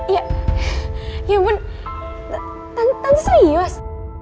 ya ya ampun tante serius